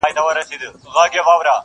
نه یې څه پیوند دی له بورا سره!.